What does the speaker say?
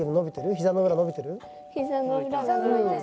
膝の裏伸びてる？